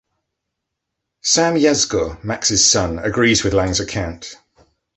Sam Yasgur, Max's son, agrees with Lang's account.